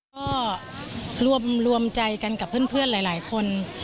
ก็รวมใจกันกับเพื่อนหลายคน